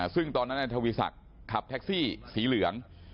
ซึ่งตอนนั้นนายทวีศักดิ์ขับแท็กซี่สีเหลือง